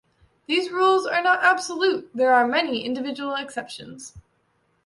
These rules are not absolute; there are many individual exceptions.